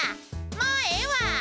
もうええわ！